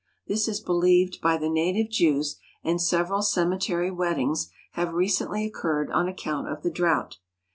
This is be lieved by the native Jews, and several cemetery weddings have recently occurred on account of the drought.